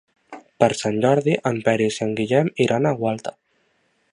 Per Sant Jordi en Peris i en Guillem iran a Gualta.